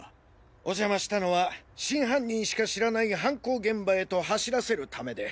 お邪魔したのは真犯人しか知らない犯行現場へと走らせるためで。